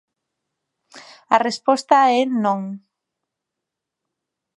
A resposta é non.